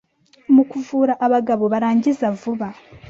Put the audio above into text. mu kuvura abagabo barangiza vuba